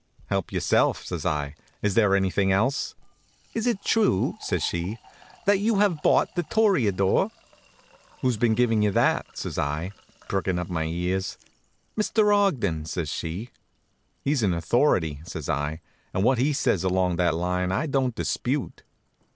"Help yourself," says I. "Is there anything else?" "Is it true," says she, "that you have bought The Toreador?" "Who's been givin' you that?" says I, prickin' up my ears. "Mr. Ogden," says she. "He's an authority," says I, "and what he says along that line I don't dispute."